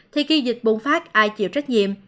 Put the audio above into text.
thì khi dịch bùng phát ai chịu trách nhiệm